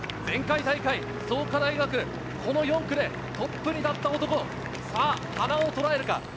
前回大会、創価大学、この４区でトップに立った男、花尾をとらえるか。